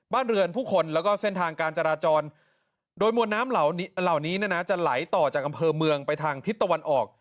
บ้านเรือนผู้คนแล้วก็เส้นทางการจราจรโดยมวลน้ำเหล่านี้เนี่ยนะจะไหลต่อจากอำเภอเมืองไปทางทิศตะวันออก